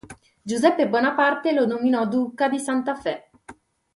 Giuseppe Bonaparte lo nominò duca di Santa Fe.